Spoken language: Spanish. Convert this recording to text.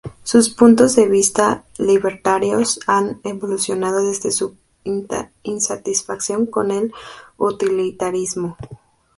Sus puntos de vista libertarios han evolucionado desde su insatisfacción con el utilitarismo.